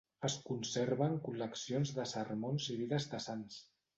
Es conserven col·leccions de sermons i vides de sants.